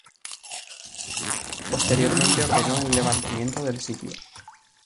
Posteriormente ordenó el levantamiento del sitio.